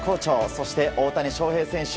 そして、大谷翔平選手